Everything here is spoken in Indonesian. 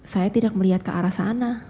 saya tidak melihat ke arah sana